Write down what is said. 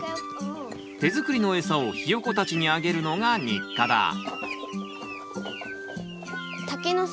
手作りのエサをひよこたちにあげるのが日課だ。